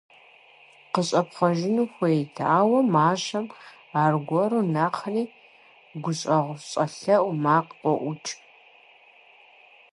КъыщӀэпхъуэжыну хуейт, ауэ мащэм аргуэру нэхъри гущӀэгъу щӀэлъэӀуу макъ къоӀукӀ.